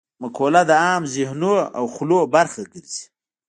مقوله د عام ذهنونو او خولو برخه ګرځي